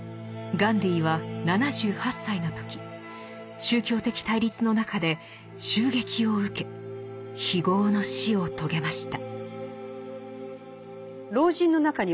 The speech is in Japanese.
ガンディーは７８歳の時宗教的対立の中で襲撃を受け非業の死を遂げました。